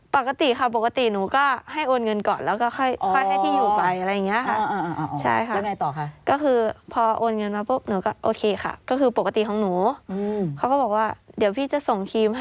ปกติค่ะปกติหนูก็ให้โอนเงินก่อนแล้วก็ค่อยให้ที่อยู่ไปอะไรอย่างนี้ค่ะ